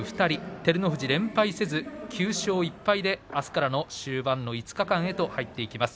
照ノ富士、連敗せず９勝１敗であすからの終盤５日間に入っていきます。